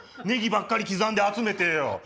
ネギばっかり刻んで集めてよ。